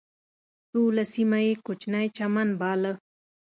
ټوله سیمه یې کوچنی چمن باله.